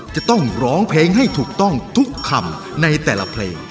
จะต้องร้องเพลงให้ถูกต้องทุกคำในแต่ละเพลง